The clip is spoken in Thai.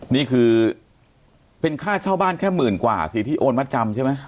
นี่คือเป็นค่าเช่าบ้านแค่หมื่นกว่าสิที่โอนมาจำใช่ไหม